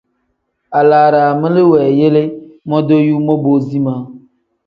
Alaraami li weeyele modoyuu mobo zimaa.